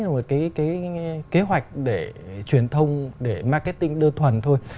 mà cái kế hoạch để truyền thông để marketing đơn thuần thôi